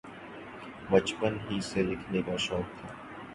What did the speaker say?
بچپن ہی سے لکھنے کا شوق تھا۔